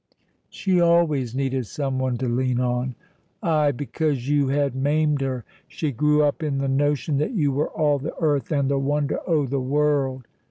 "She always needed some one to lean on." "Ay, because you had maimed her. She grew up in the notion that you were all the earth and the wonder o' the world."